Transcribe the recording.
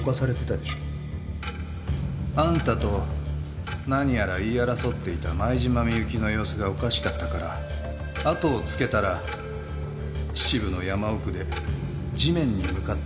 あんたと何やら言い争っていた前島美雪の様子がおかしかったから後をつけたら秩父の山奥で地面に向かって手を合わせてたよ。